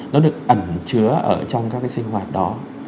nó được ẩn chứa ở trong các cái sinh hoạt đó